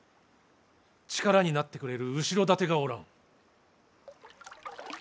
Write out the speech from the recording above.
力になってくれる後ろ盾がおらん。